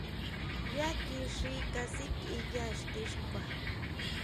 Yá kixí kasikʼiya exti xkua.